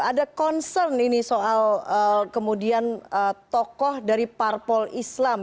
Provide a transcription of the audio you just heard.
ada concern ini soal kemudian tokoh dari parpol islam